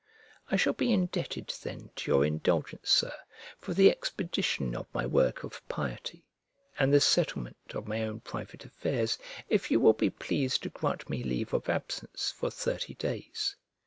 I shall be indebted then to your indulgence, Sir, for the expedition of my work of piety, and the settlement of my own private affairs, if you will be pleased to grant me leave of absence for thirty days.